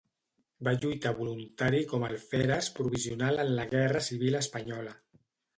Va lluitar voluntari com a alferes provisional en la Guerra Civil Espanyola.